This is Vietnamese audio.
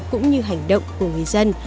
cũng như hành động của người dân